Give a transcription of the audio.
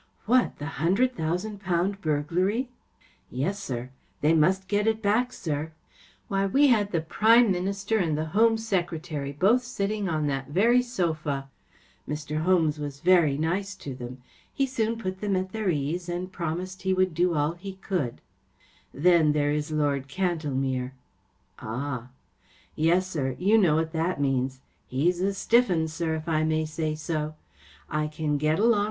What‚ÄĒthe hundred thousand * pount^ burglary ? ,f " Yes* sir. They must get it back, sir* Why, we had the Prime Minister and the Home Secretary both sitting on that very sofa, Mr. Holmes was very nice to them* He soon put them at their ease and promised he would do all he could* Then there is Lord Cantlemere " Ah 1 " “ Yes* sir; you know what that means. He's a stiff Tin, sir* if I may say so* I can get along w.